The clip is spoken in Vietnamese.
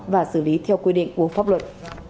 và xử lý theo quy định của pháp luật